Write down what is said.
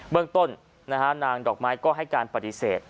เรื่องต้นนางดอกไม้ก็ให้การปฏิเสธ